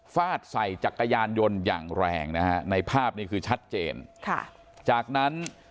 ฟาดใส่จักรยานยนต์อย่างแรงนะฮะในภาพนี้คือชัดเจนค่ะจากนั้น